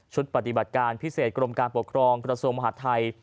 ชุดปฏิบัติการพิเศษกรมการปกครองประสวมมหาธัย